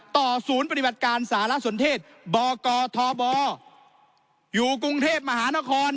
ศูนย์ปฏิบัติการสารสนเทศบกทบอยู่กรุงเทพมหานคร